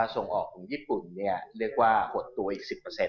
ส่งออกของญี่ปุ่นเรียกว่าหดตัวอีก๑๐